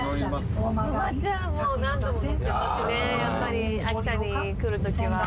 こまちはもう、何度も乗ってますね、やっぱり、秋田に来るときは。